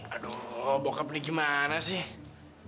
aduh bokap nih gimana sih